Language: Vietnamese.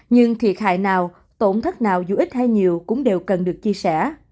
nhưng thiệt hại nào tổn thất nào dù ít hay nhiều cũng đều cần được chia sẻ